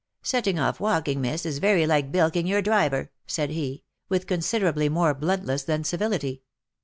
" Setting off walking, miss, is very like bilking your driver," said he, with considerably more bluntness than civility.